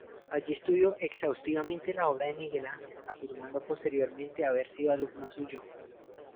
Allí estudió exhaustivamente la obra de Miguel Ángel, afirmando posteriormente haber sido alumno suyo.